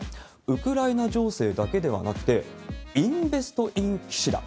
ウクライナ情勢だけではなくて、インベスト・イン・キシダ。